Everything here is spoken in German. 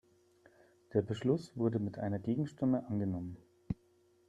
Der Beschluss wurde mit einer Gegenstimme angenommen.